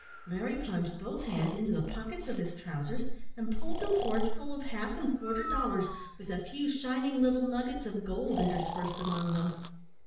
Larry plunged both hands into the pockets of his trousers, and pulled them forth full of half and quarter dollars, with a few shining little nuggets of gold interspersed among them.